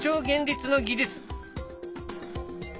現実の技術。